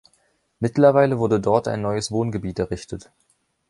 Mittlerweile wurde dort ein neues Wohngebiet errichtet.